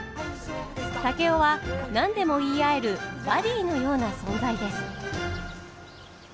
竹雄は何でも言い合えるバディーのような存在です。